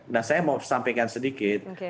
nah saya mau sampaikan sedikit